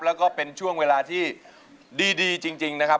แล้วก็เป็นช่วงเวลาที่ดีจริงนะครับ